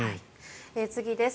次です。